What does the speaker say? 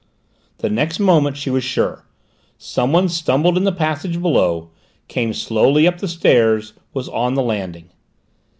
The next moment she was sure. Someone stumbled in the passage below, came slowly up the stairs, was on the landing.